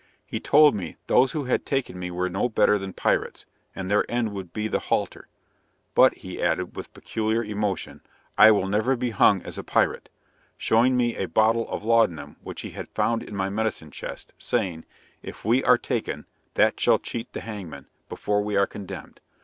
He told me "those who had taken me were no better than pirates, and their end would be the halter; but," he added, with peculiar emotion, "I will never be hung as a pirate," showing me a bottle of laudanum which he had found in my medicine chest, saying, "If we are taken, that shall cheat the hangman, before we are condemned."